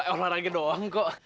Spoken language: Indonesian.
kita mau olahraga doang kok